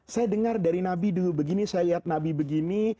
saya dengar dari nabi dulu begini saya lihat nabi begini